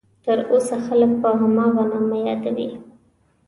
تر اوسه خلک په هماغه نامه یادوي.